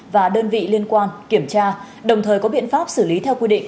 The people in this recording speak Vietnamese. và đơn vị liên quan kiểm tra đồng thời có biện pháp xử lý theo quy định